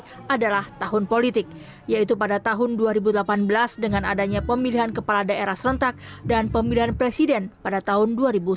ini adalah tahun politik yaitu pada tahun dua ribu delapan belas dengan adanya pemilihan kepala daerah serentak dan pemilihan presiden pada tahun dua ribu sembilan belas